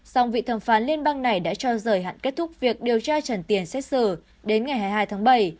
song vị thẩm phán liên bang này đã cho rời hạn kết thúc việc điều tra trần tiền xét xử đến ngày hai mươi hai tháng bảy